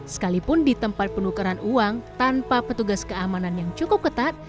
sekalipun di tempat penukaran uang tanpa petugas keamanan yang cukup ketat